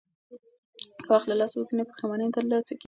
که وخت له لاسه ووځي نو په پښېمانۍ نه ترلاسه کېږي.